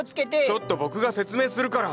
ちょっと僕が説明するから。